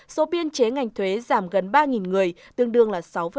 số biên chế ngành thuế giảm gần ba người tương đương sáu sáu mươi sáu